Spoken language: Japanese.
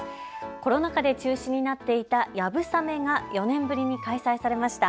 コロナ禍で中止になっていたやぶさめが４年ぶりに開催されました。